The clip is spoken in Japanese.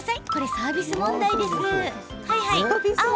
サービス問題ですよ。